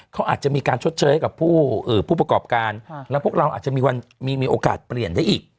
เขาอาจจะมีการชดเชยให้กับผู้ประกอบการแล้วพวกเราอาจจะมีโอกาสเปลี่ยนได้อีก